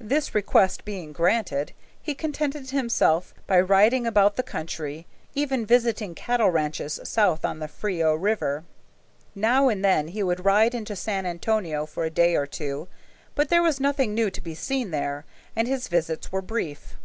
This request being granted, he contented himself by riding about the country, even visiting cattle ranches south on the Frio River. Now and then he would ride into San Antonio for a day or two, but there was nothing new to be seen there, and his visits were brief.